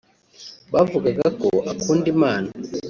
bavugaga ko akunda Imana